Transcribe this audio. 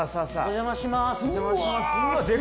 お邪魔します。